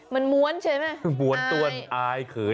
มันม้วนใช่ไหมม้วนต้วนอายเขิน